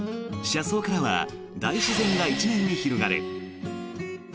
車窓からは大自然が一面に広がる。